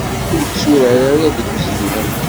Ur tturar ara deg uzniq.